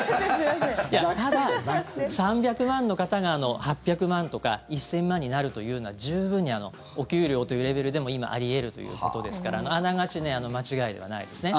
ただ、３００万の方が８００万とか１０００万になるというのは十分にお給料というレベルでも今、あり得るということですからあながち間違いではないですね。